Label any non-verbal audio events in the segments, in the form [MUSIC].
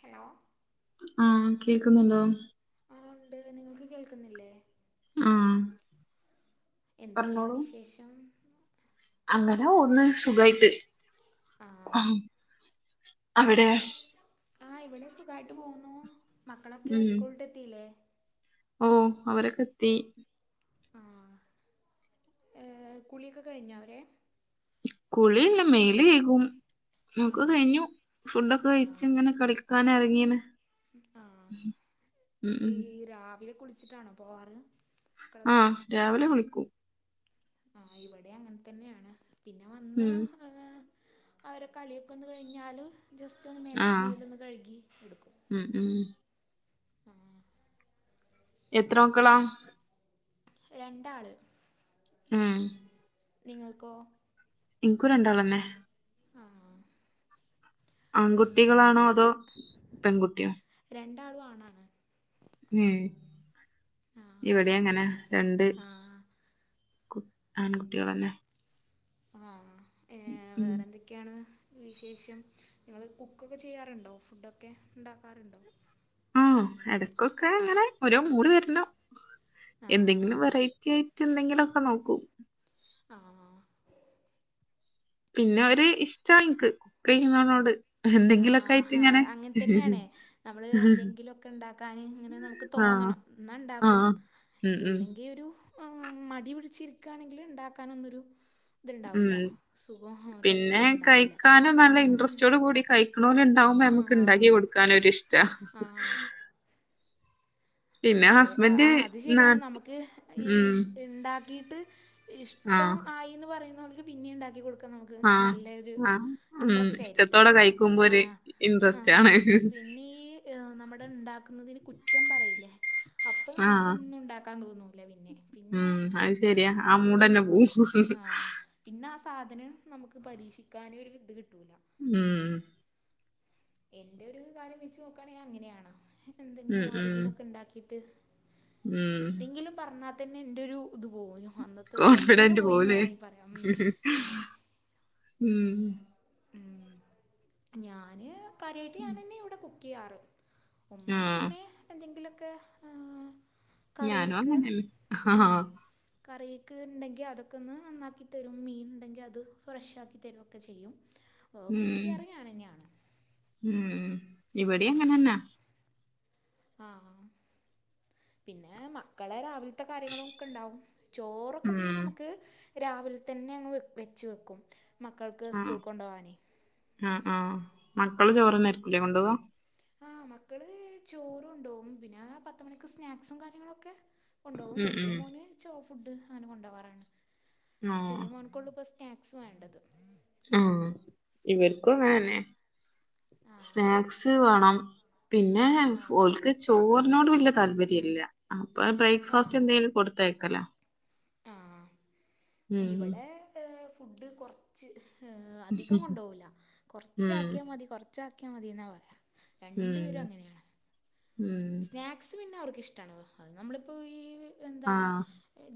Hello ആഹ് കേക്കുന്നുണ്ടോ ആഹ് ഉണ്ട് നിങ്ങള്ക്ക് കേൾക്കുന്നില്ലേ ആഹ് എന്തൊക്കെയാണ് പറഞ്ഞോളൂ വിശേഷം അങ്ങനെ പോവുന്നു സുഖായിട്ട് ആ അവടെ ആ ഇവിടെ സുഖമായിട്ട് പോവുന്നു മക്കളൊക്കെയോ സ്കൂളിട്ടെത്തിയില്ലേ ഓഹ് അവരൊക്കെത്തി ആഹ് ഏഹ് കുളിയൊക്കെ കഴിഞ്ഞവരെ കുളിയല്ല മെല്കയ്കും ആ ഒക്കെ കയിഞ്ഞു ഫുഡൊക്കെ ആ കഴിച്ങ്ങനെ കളിക്ക ക്കാനെറങ്ങിന് ആഹ് ഉം ഈ രാവിലെ കുളിച്ചിട്ടാണോ പോവാറ് മക്കളൊക്കെ ആഹ് രാവിലെ കുളിക്കു ആഹ് ഇവടി അങ്ങനതന്നെയാണ് പിന്നെ വന്ന് ഉം ങ്ങനെ അവരെ കളിയൊക്കൊന്ന് കഴിഞ്ഞാല് ജസ്റ്റ് ഒന്ന് മേ ആഹ് മേലൊന്ന് കഴുകി എടുക്കും ഉം ഉം ആഹ് എത്രോക്കളാ രണ്ടാള് ഉം നിങ്ങൾക്കോ ഇങ്ങക്കും രണ്ടാളന്നെ ആഹ് ആൺകുട്ടികളാണോ അതോ പെൺകുട്ടിയോ രണ്ടാളും ആണാണ് ഉം ആ ഇവിടെയങ്ങനാ രണ്ട് ആ കു ആൺകുട്ടികളന്നെ ആഹ് ഏഹ് ഉം വേറെന്തൊക്ക് യ്ക്കയാണ് വിശേഷം നിങ്ങളു കുക്കൊക്കെ ചെയ്യാറുണ്ടോ ഫുഡൊക്കെ ഉണ്ടാക്കാറുണ്ടോ ആഹ് എടക്കൊക്കെ അങ്ങനെ ഓരോ മൂട് വരണം ആ എന്തെങ്കിലും വെറൈറ്റി യ്ക്കെന്തെങ്കിലുമൊക്കെ നോക്കൂ ആഹ് ആഹ് പിന്നൊരു ഇഷ്ട്ടാമ്മക്കെ കുക്ക് ചെയ്യുന്നോനോടെ ആഹാ അങ്ങനെ തന്നെയാണേ നമ്മളെ എന്തെങ്കിലൊക്കെ ഉണ്ടാക്കാനെ ഇങ്ങനെ നമുക്ക് ആ തോന്നണം ആ ന്നാണ്ടാക്കും ഉം ഉം ഇല്ലെങ്കി ഒരു ആഹ് മടി പിടിച്ചിരിക്കുകയാണെങ്കിലുണ്ടാക്കാനൊന്നൊരു ഇതുണ്ടാവൂല്ല ഉം സുഖോ പിന്നെ രസോന്നും ഉണ്ടാവൂല്ല ഉം ണോലുണ്ടാവുമ്പം നമക്ക് ഇണ്ടാക്കി കൊടുക്കാനൊരിഷ്ട്ടാ ആഹ് അതെ ഹസ്ബൻഡ് ആഹ് അത് നാ ശരിയാണ് നമുക്ക് ഈ ഉം ഇണ്ടാക്കീട്ട് ആ ഇഷ്ടം ആയീന്ന് പറയുന്നോൽക്ക് പിന്നീം ഇണ്ടാക്കി കൊടുക്കണം തെ ആ നല്ലെരു ആ ഉം ഇൻ്രസ്റ്റായിരിക്കും ഇഷ്ടത്തോടെ കഴിക്കുമ്പോ ഒരു ആഹ് ഇൻട്രസ്റ്റ് ആണ് ആഹ് പിന്നീ ഏഹ് നമ്മടെ ഇണ്ടാക്കുന്നതിന് കുറ്റം പറയില്ലേ അപ്പം ആ നമുക്കൊന്നും ഇണ്ടാക്കാൻ തോന്നൂല്ല പിന്നെ പിന്നെ ഉം അത് ശര്യാ ആ മൂടന്നെ പോവും പിന്നാ ആ സാധനം നമുക്ക് പരീക്ഷിക്കാന് ഒരു ഇത് കിട്ടൂല്ല ഉം എന്റെ ഒരു കാര്യം വെച്ച് നോക്കാണെങ്കി അങ്ങനെയാണ്. ഉം എന്തെങ്കിലും ഉം ആരെങ്കിലും ഒക്കെ ഇണ്ടാക്കീട്ട്. ഉം എന്തെങ്കിലും പറഞ്ഞാത്തന്നെ എന്റെ ഒരു ഇത് പോവൊല്ലൊ. അന്നത്തെ ദിവസം തന്നെ കോൺഫിഡന്റ് പോയീന്ന് പോവുലേ ആരേയ് പറയാം ഉം പിന്നെ ഉം ഉം ഞാന് കാര്യാ യ്ട്ട് ഞാൻ തന്നെയാ ഇവിടെ കുക്കെ ചെയ്യാറ് ഉമ്മാ ആഹ് ഇങ്ങനെ എന്തെങ്കിലൊക്കെ ഉം ഞാനും കറീക്ക് അങ്ങനെന്നെ ആഹ് ഉം കറീക്ക് ഇണ്ടെങ്കി അതൊക്കെ ഒന്ന് അന്നാക്കിത്തരും മീനുണ്ടെങ്കി അത് ഫ്രഷ് ആക്കി തരോക്കെ ചെയ്യും ഓഹ് ഉം കുക്കെയ്യാറിഞ്ഞാനെന്നാണ് ഉം ഇവിടീം അങ്ങനെന്നാ ആഹ് പിന്നെ മക്കളെ രാവില്ത്തെ കാര്യങ്ങളും ഒക്കെ ഇണ്ടാവും ചോറൊക്കെ പിന്നെ ഉം നമുക്ക് രാവിൽതന്നെ അങ്ങ് വെച്ച് വെക്കും. മക്കൾക്ക് ആഹ് സ്കൂൾ കൊണ്ടൊവാനേ ആഹ് ആഹ്. മക്കളു ചോറ് ന്നായിരിക്കൂലേ കൊണ്ടോവാ അഹ് മക്കള് ചോറു കൊണ്ടോവും. പിന്നെ പത്തു മണിക്ക് സ്നാക്സും കാര്യങ്ങളൊക്കെ കൊണ്ടോകും. ഉം വല്യ ഉം മോന് ചോ ഫുഡ് അങ്ങനെ കൊണ്ടോവാറാണ്. ആഹ് ചെറീയ മോൻ ക്കുള്ള ബെസ് താക്സ് വാണ്ടത് ആഹ് ഇവർക്കും അങ്ങനെ തന്നെ. ആ സ്നാക്സ് വാണം പിന്നെ ആ [UNINTELLIGIBLE] ഓൽക്ക് ചോറിനോട് വെല്യ താല്പര്യ ഇല്ല അപ്പ ബ്രേക്ക്ഫാസ്റ്റ് എന്തേലും കൊടുത്തയക്കലാ ആഹ് ഇവടെ ഉം ഫുഡ് കൊറ്ച് ച്ച് അധികം കൊണ്ടോകൂല. കൊറ്ച്ചാക്ക്യാ മതി കൊറ്ച്ചാക്ക്യാ മതി ഇന്നാ പറയാ രണ്ടുപേരും ഉം അങ്ങനെയാണ് ഉം സ്നാക്സ് പിന്നെ അവർക്ക് ഇഷ്ടാണ്. അത് നമ്മളിപ്പോ ഈ എന്താ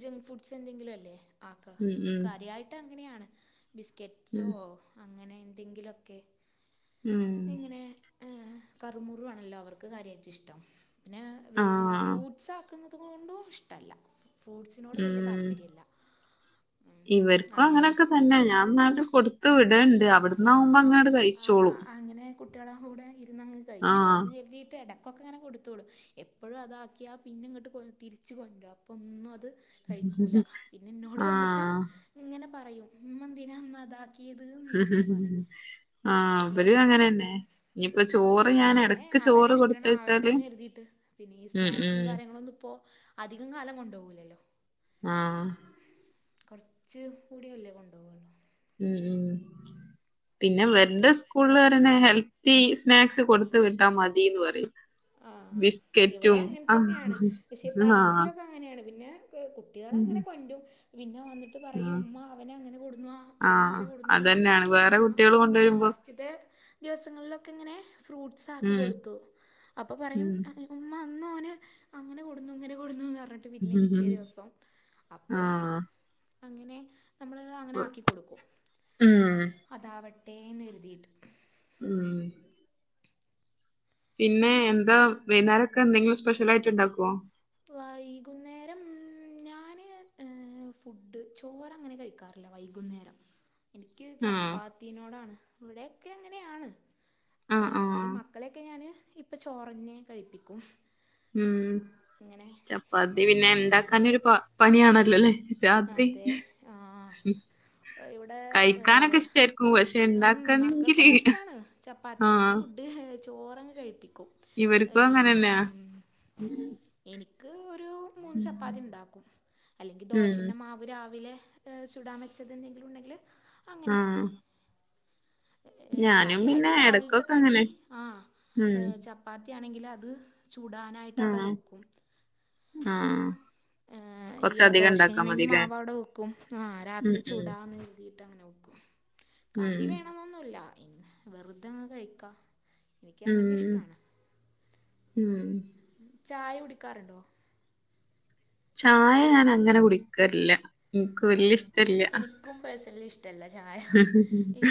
ജങ്ക് ഫ്രുഡ്സ് എന്തെങ്കിലു അല്ലേ ആക്ക. കാര്യായിട്ട് അങ്ങനെ ആണ്. ബിസ്ക്കെറ്റ് സൊഹോ അങ്ങനെ എന്തെങ്കിലൊക്കെ ഇങ്ങനെ [UNINTELLIGIBLE] കറുമുറു ആണല്ലോ അവർക്ക് കാര്യായിട്ട് ഇഷ്ടം പിന്നെ ആ, വേ ഫ്രൂട്ട്സ് ആക്കുന്നത് കൊണ്ടും ഇഷ്ടല്ല ഫ്രൂട്സ്നോടു വല്യ താല്പര്യ ഇല്ല ഇവർക്കും അങ്ങനെ ഒക്കെ തന്നെ. ഞാൻ ഇന്നാലും കൊടുത്ത് ഉം വിട്ണ്ട് ആ അവിട്ന്നാവുമ്പോ അങ്ങട് ആ കഴിച്ചോളും അങ്ങനെ കുട്ട്യേളെ കൂടെ ഇരുന്നങ്ങ് ആ, കഴിച്ചോളൂന്ന് കെര്തിയിട്ടാട ക്കൊക്കെ ഇങ്ങനെ കൊടുത്തോളും. എപ്പഴും അതാക്ക്യാ പിന്നെ ഇങ്ങട്ട് കൊ തിരിച്ച് കൊണ്ട്രരും. അപ്പോം ഒന്നും അത് കഴിക്കൂല. പിന്നെ ആ. ഇന്നോട് വന്നിട്ട് ഇങ്ങനെ പറയും. ഉമ്മ എന്തിനാ ഇന്നതാ ഈതിലും നീച്ചിട്ട് പറിം ആ, ഇവരും ഓഹ് ഉം. അങ്ങനെന്നെ. ഇനിയിപ്പോ ചോറ് ഞാൻ പിന്നെ എടക്ക് അവരെ ചോറ് ഇഷ്ടണ് കൊടുത്തയച്ചാല് ആവട്ടെന്ന് കര്തിയിട്ട് പിന്നെ ഈ ഉം, ഉം, സ്നാക്സും കാര്യങ്ങളു ഒന്നും ഇപ്പോ അധികം കാലം കൊണ്ടോകൂലല്ലോ ആഹ് കൊറച്ച് കൂടിയല്ലേ കൊണ്ടോകു [UNINTELLIGIBLE] ഉം ഉം അത് പിന്നെ കരുതിയിട്ട് ഇവര്ടെ സ്കൂള് അറിനെ ഹെൽ തീ സ്നാക്സ് കൊടുത്ത് വിട്ടാ മതീന്ന് പറയും ആഹ്. ഇവിടെ ബിസ്ക്കറ്റും അങ്ങൻ തന്നേ ആണ് പക്ഷെ ആഹ് ആഹ് പറച്ചിലൊക്കെ അങ്ങനെയാണ് പിന്നെ ഉം കുട്ടികളങ്ങനെ കൊണ്ടരും പിന്നെ എന്നിട്ട് പറയും ഉം ഉമ്മ അവനങ്ങനെ കൊടുന്നു ആഹ് ഇവനിങ്ങനെ കൊടുന്നുന്ന് പറയും അതന്നെയാണ് വേറെ ഞാൻ കുട്ടികള് ആ കൊണ്ടുവരുമ്പോ ഫസ്റ്റ്ത്തെ ദിവസങ്ങളിലൊക്കെ ഇങ്ങനെ ഫ്രൂട്ട്സ് ആക്കി ഉം കൊടുത്തു. അപ്പോ പറയും ഉം ഉമ്മ ഇന്ന് ഓൻ അവൻ അങ്ങനെ കൊടുന്നു ഇങ്ങനെ കൊടുന്നു എന്ന് പറഞ്ഞിട്ട് പിന്നെ പിറ്റേ ദിവസം അപ്പൊ ആഹ് അങ്ങനെ നമ്മള് അങ്ങനെ ആക്കി കൊടുക്കും. ഉം അതാവട്ടെന്ന് കര്തിയിട്ട്. ഉം പിന്നെ എന്താ വൈകുന്നേരൊക്കെ എന്തെങ്കിലും സ്പെഷ്യൽ ആയിട്ട് ഉണ്ടാക്കുവോ. വൈകുന്നേരം ഞാന്. ഫുഡ് ചോറ് അങ്ങനെ കഴിക്കാറില്ല വൈകുന്നേരം. എനിക്ക് ആഹ് ചപ്പാത്തിനോടാണ് ഇവിടൊക്കെ ഇങ്ങനെയാണ്. ആഹ് എന്നാലും ആഹ് മക്കളെയൊക്കെ ഞാന് ഇപ്പ ചോറന്നെ കഴിപ്പിക്കും. ഉം ഇങ്ങനെ ചപ്പാത്തി പിന്നെ ഉം, ഉണ്ടാക്കാനൊരു പണിയാണല്ലോല്ലേ. രാത്രി അതെ ആഹ് ഇവിടെ കഴിക്കാനൊക്കെ ഇഷ്ടായിരിക്കും പക്ഷെ ഉം ഇണ്ടാക്കണെങ്കില് മക്കൾക്കൊക്കെ ഇഷ്ടാണ് ചപ്പാത്തി ഞാൻ ആഹ് ഫുഡ്. ഡ് ചോറങ്ങ് കഴിപ്പിക്കും ആ ഇവർക്കും വി അങ്ങനെന്നെയാ ഉം എനിക്ക് ഒരു മൂന്ന് ചപ്പാത്തി ഉണ്ടാക്കും അല്ലെങ്കിൽ ദോശ ഉം മാവ് രാവിലെ ചുടാൻ വെച്ചത് എന്തെങ്കിലും ഉണ്ടെങ്കിൽ. അങ്ങനെ ആഹ് ഞാനും പിന്നെ കാര്യമായിട്ട് രാവിലത്തെ എടക്കൊക്കെ കടി അങ്ങനെ. ആ ഉം. ചെ ചപ്പാത്തിയാണെങ്കിൽ അത് ചുടാനായിട്ട് അവിടെ വെക്കും ആഹ് ഈ ദോശ ആണെങ്കിൽ മാവ് അവിടെ വെക്കും ആ ഉം. രാത്രി ഉം. ചൂടാന്ന് കര്തി. ങ്ങനെ വെക്കും കറി ഉം. വേണൊന്നുല്ല വെറുതെങ്ങ് കഴിക്ക. ഉം ഉം ചായ കുടിക്കാറുണ്ടോ? ചായ ഞാൻ അങ്ങനെ കുടിക്കെല്ല. ഉം എനിക്കും പേഴ്സണലി ഇഷ്ടല്ല ചായ ഈ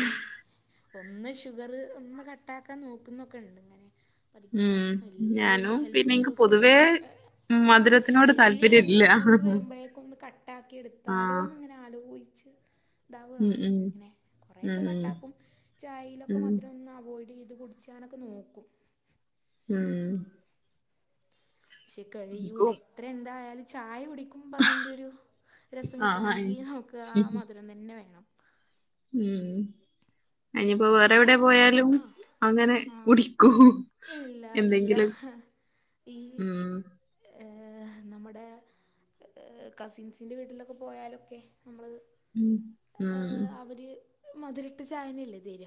ഒന്ന് ഷുഗർ ഒന്ന് കട്ടാക്കാൻ നോക്കുന്നൊക്കെ ഉണ്ട് ഇങ്ങനെ പതുക്കെ ഉം. വെല്ല്യ ഞാനും ഹെൽത്ത് പിന്നെ ഇൻക്ക് ഇഷ്യൂസ് പൊതുവേ ഏ ആ മധുരത്തിനോട് വെല്ല്യ താല്പര്യം ഇല്ല. Health issues. വരുമ്പോഴേക്കും ഒന്ന് കട്ടാക്കി ആ. എടുത്താലോ ന്ങ്ങനെ ആലോയച്ച്. ഉം. ദാവാണ് ഉം. ഇങ്ങനെ കുറെേയൊക്കെ ഉം. കട്ടാക്കും ചായീലൊക്കെ ഉം. മധുരം ഒന്ന് അവോയ്ഡ്യ്ത് കൊടുത്ത്. ച്ചാനക്ക നോക്കും. ഉം. ക്ഷെ കഴിയൂല ഇൻക്കും എത്ര എന്തായാലും ചായ കുടിക്കും. ന്പ അതിൻ്റെ ഒരു രസം ആ. ആ, കിട്ടണങ്കി അവക് ആ മധരം തന്നെ വേണം. ഉം അനിയിപ്പോ വേറെ പിന്നെ എവിടെ ആ പോയാലും അങ്ങനെ ആ കുടിക്കൂ. ഇല്ല ഇല്ല ഹ് ഈ ഉം. ഏ നമ്മുടെ. ഏ കസിൻസിന്റെ വീട്ടിലൊക്കെ പോയാലൊക്കെ നമ്മള്. ഉം. ഉം. ഏഹ് അവര് മധുരട്ട് ചായനല്ലെ തെര.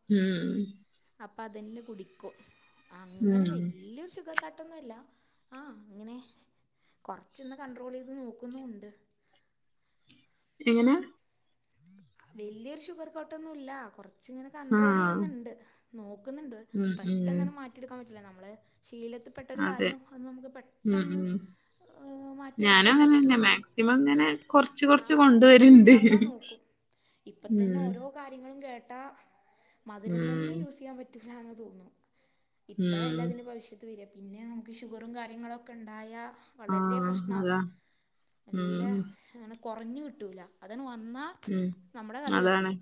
ഉം. അപ്പ അതന്നെ കുടിക്കും അങ്ങനെ ഉം. വെല്ല്യയൊരു ഷുഗർ കട്ടൊന്നുല്ല ആഹ് അങ്ങനെ കുറച്ച്ന്ന് കണ്ടട്രോൾ യ്ത് നോക്കുന്നുണ്ട്. എങ്ങനെ. വെല്ല്യയൊരു ഷുഗർ കോട്ടൊന്നു ഇല്ല കൊറ. ച്ച് ഇങ്ങനെ ആ കണ്ട്രോൾ ചെയ്യുന്ന്ണ്ട് നോക്കുന്നുണ്ട് ഉം. ഉം. പെട്ടെന്ന് മാ മാറ്റിയെടുക്കാൻ പറ്റില നമ്മളെ ശീലത്ത് പെട്ടൊരു അതെ കാര്യം അത് നമുക്ക് ഉം. പെട്ടെന്ന്. ഉം. ഞാനും മാറ്റിയെടുക്കാൻ അങ്ങനെ തന്നെ പറ്റൂല്ലല്ലോ മാക്സിമം ഇങ്ങനെ കൊറച്ച് ആ കൊറച്ച് കൊണ്ടുവരുണ്ട് ഒഴിവാക്കാൻ നോ ഇപ്പ തന്നെ ഉം. ഓരോ കാര്യങ്ങളും കേട്ടാ മധുരം ഉം. തന്നെ യൂസ് ചെയ്യാ. റ്റൂലാന്ന് തോന്നും. ഉം. ഇപ്പോഴല്ല അതിന്റെ ഭവിശത്ത് വെര പിന്നെ നമുക്ക് ഷുഗറും കാര്യങ്ങളൊക്കെ ഇണ്ടായ ആ വളരെ പ്രശ്ണാവും അതാ നല്ല ഉം. അങ്ങനെ കൊറഞ് കിട്ടൂല്ല അതാണ് വന്നാ ഉം. നമ്മുടെ കഥ അതാണ് കഴിഞ്ഞു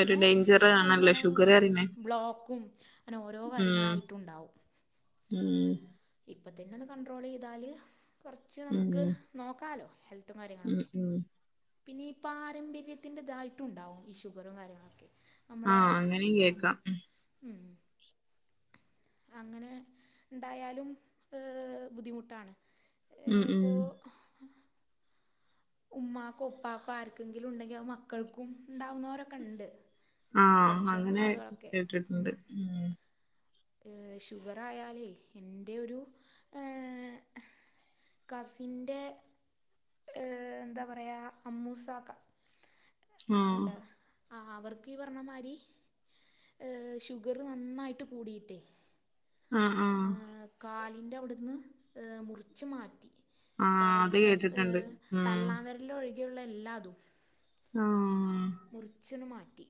ഒരു ഡേഞ്ചർ ആണല്ലോ അങ്ങനെ ഷുഗർ അറിയുന്നെ ബ്ലോക്കും. ങ്ങനെ ഓരോ ഉം. കാര്യങ്ങളായിട്ടും ഉണ്ടാവും. ഉം. ഇപ്പ തന്നെ ഒന്ന് കൺണ്ട്രോളയ്താല് കൊർച് ഉം. നമുക്ക് നോക്കാലോ ഹെൽത്തും ഉം. കാര്യങ്ങളൊക്കെ. ഉം. പിന്നെ ഈ പാരമ്പര്യത്തിന്റെതായിട്ടുണ്ടാവും ഈ ഷുഗറും കാര്യങ്ങളൊക്കെ. ആ അമ്മളെ അങ്ങനെയും ഉം കേക്കാം ഉം. അങ്ങനെ ഇണ്ടായാലും ഏഹ് ബുദ്ധിമുട്ടാണ്. ഉം. ഏഹ് ഉം. പ്പോ. ഉമ്മാക്കോ ഉപ്പക്കോ ആർക്കെങ്കിലു ഉണ്ടെങ്കിൽ അഹ് മക്കൾക്കും ഉണ്ടാവുന്നൊരൊക്കെ ണ്ട്‌. ആ കൊർച് അങ്ങനെ ആള്കളൊക്കെ ഉം. കേട്ടിട്ടുണ്ട് ഉം. ഏഹ് ഷുഗറായാലേ ഇൻ്റെ ഒരു ഏഹ്. കസിൻ്റെ ഏഹ് എന്താ പറയാ അമ്മൂസാക്ക ആ ഇണ്ട് ആഹ് അവർക്ക്ഈ പറഞ്ഞ മാരി. ഏഹ് ഷുഗർ നന്നായിട്ട് കൂടീട്ടേ ഉം ഉം കാലിൻ്റെ അവിട്ന്ന് മുറിച്ച് മാറ്റി. ആഹ് അത് കേട്ട് ഏഹ് തള്ളാംവെര്ല് ഒഴികെയുള്ള എല്ലാതും. ആഹ്. മുറ്ച്ച്ണ് മാറ്റി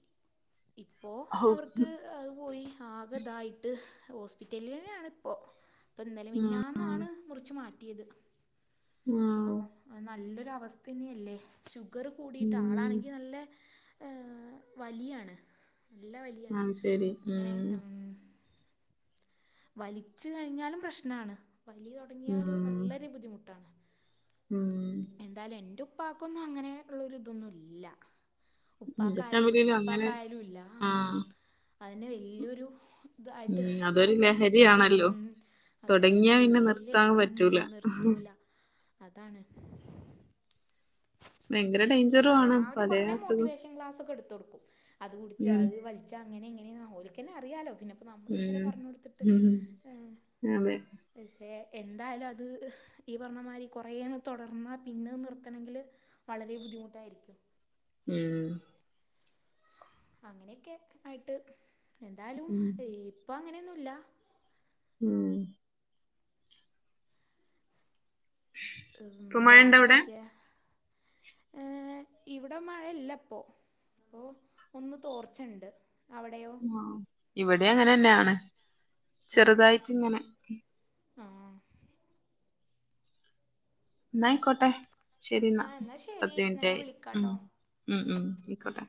ഇപ്പോ ഹൗ അവർക്ക് അഹ് പോയി ആകതായി ട്ട് ഹോസ്പിറ്റലിലെന്നാണ് ഇപ്പൊ ഇപ്പ ഇന്നലെ മിഞ്ഞാന്ന് ന്നാണ് ഉം മുറിച്ച് മാറ്റിയത്. ഉം അപ്പോ അഹ് നല്ലൊരവസ്ഥന്യേല്ലേ. ഷുഗർ കൂടിയിട്ട് ഉം ആളാണെങ്കി നല്ലെ ഏഹ് വലിയാണ് നല്ല വലിയാണ് അത് ശരി അങ്ങനെ ഉം. വലിച്ച് കഴിഞ്ഞാലും പ്രശ്നാണ്. വലി തുടങ്ങിയാല് ഉം വള്ളരെ ബുദ്ധിമുട്ടാണ്. ഉം എന്തായാലും എന്റെ ഉപ്പാക്കൊന്നും അങ്ങനെ ഉള്ളര് തൊന്നും ഇല്ല എന്റെ ഉപ്പാക്കാലും ഇവിടുത്തെ ഫാമിലിയിലും അങ്ങനെ ഉപ്പാക്കായാലും ഇല്ല ഉം ആഹ് അതിനെ വല്ല്യൊരു ഇത് ആയിട്ട് ഉം അതൊരു കണക്കാക്ക്‌അ ഞാന് ലഹരിയാണല്ലോ ഉം അത് തുടങ്ങിയാ പിന്നെ വല്ല്യെ നിർത്താൻ പറ്റൂല നിർത്തൂല അതാണ് ഭയങ്കര ഡെയ്ൻജെ പരമാവധി കൊർറെ മോട്ടിവേഷൻ ക്ലാസ് ഒക്കെ ഇട്ത്തൊടുക്കും അത്കൂടിച്ച് ഉം അത് വലി ച്ച അങ്ങനെ ഇങ്ങനെ ന്നാ ഓൽക്കെന്നെ അറിയാലോ പിന്നെ പ്പൊ നമ്മള്ങ്ങനെ ഉം പറഞ്ഞൊട്ത്തിട്ട് ഉം അതെ എഹ് [UNINTELLIGIBLE] എന്തായാലും അത് ഈ പറഞ്ഞമാതിരി കുറേയന്ന് തൊടർന്നാ പിന്നെ അഹ് നിർത്തണെങ്കില് വളരെ ബുദ്ധിമുട്ടായിരിക്കും ഉം അങ്ങനെയൊക്കെ ആയിട്ട് എന്താലും ഉം ഇപ്പൊ അങ്ങനെയൊന്നുല്ല ഉം ഉം ഇപ്പൊ മഴണ്ടോ അവിടെ വേറെന്തെക്ക്യേ ഏഹ് ഇവിടെ മഴല്ലപ്പൊ പ്പോ ഒന്ന് തോർച്ചണ്ട് അവടെ യോ ആഹ് ഇവടേം അങ്ങനെന്നാണ് ചെറുതായിട്ട് ഇങ്ങനെ ആഹ് ന്നായിക്കോട്ടെ ശരിന്നാ ആ എന്നാൽ ശരി പത്ത് എന്നാൽ ഞാൻ മിനിറ്റായി ഉം വിളിക്കാട്ടോ ഉം ഉം അയ്ക്കോട്ടെ.